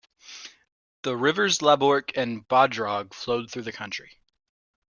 The rivers Laborc and Bodrog flowed through the county.